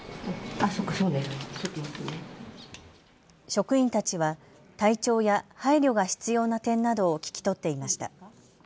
職員たちは体調や配慮が必要な点などを聞き取っていました。